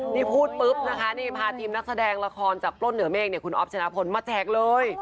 นี่พูดปุ๊บนะคะนี่พาทีมนักแสดงละครจากปล้นเหนือเมฆเนี่ยคุณอ๊อฟชนะพลมาแจกเลย